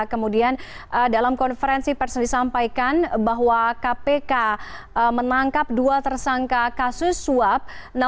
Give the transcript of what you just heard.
kemudian dalam konferensi pers disampaikan bahwa kpk menangkap dua tersangka kasus suap